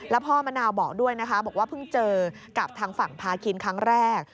พ่อมะนาวบอกด้วยนะคะบอกว่าเพิ่งเจอกับทางฝั่งพาคินครั้งแรก